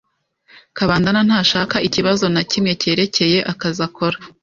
Kabandana ntashaka ikibazo nakimwe cyerekeye akazi akora.